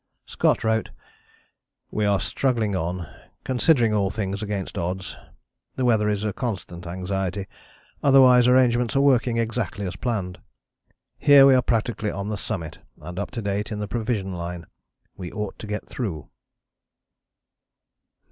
Scott wrote: "We are struggling on, considering all things against odds. The weather is a constant anxiety, otherwise arrangements are working exactly as planned. "Here we are practically on the summit and up to date in the provision line. We ought to get through."